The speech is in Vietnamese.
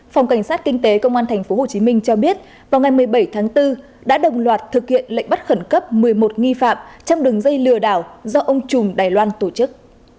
phòng cảnh sát kinh tế công an tp hcm cho biết vào ngày một mươi bảy tháng bốn đã đồng loạt thực hiện lệnh bắt khẩn cấp một mươi một nghi phạm trong đường dây lừa đảo do ông trùm đài loan tổ chức